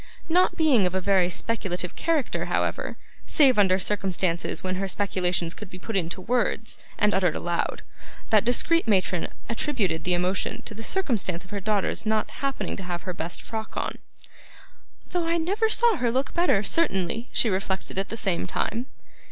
Not being of a very speculative character, however, save under circumstances when her speculations could be put into words and uttered aloud, that discreet matron attributed the emotion to the circumstance of her daughter's not happening to have her best frock on: 'though I never saw her look better, certainly,' she reflected at the same time.